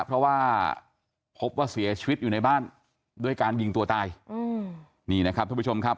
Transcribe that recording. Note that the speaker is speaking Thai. เพราะว่าพบว่าเสียชีวิตอยู่ในบ้านด้วยการยิงตัวตายอืมนี่นะครับทุกผู้ชมครับ